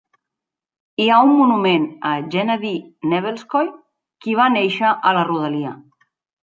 Hi ha un monument a Gennady Nevelskoy, qui va néixer a la rodalia.